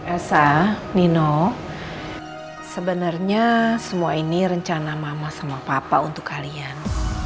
esa nino sebenarnya semua ini rencana mama sama papa untuk kalian